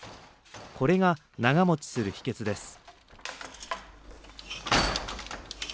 これが長もちする秘けつです。